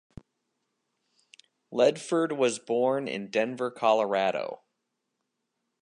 Ledford was born in Denver, Colorado.